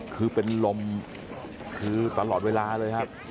คือเป็นลมคือตลอดเวลาเลยครับ